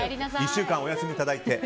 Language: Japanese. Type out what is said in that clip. １週間お休みいただいて。